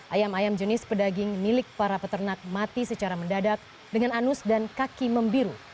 ayam ayam jenis pedaging milik para peternak mati secara mendadak dengan anus dan kaki membiru